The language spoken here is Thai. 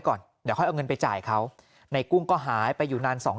ก่อนเดี๋ยวค่อยเอาเงินไปจ่ายเขาในกุ้งก็หายไปอยู่นานสอง